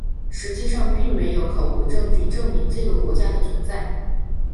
实际上并没有考古证据证明这个国家的存在。